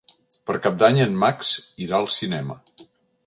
Per Cap d'Any en Max irà al cinema.